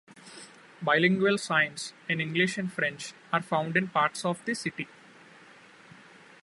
Bilingual signs, in English and French, are found in parts of the city.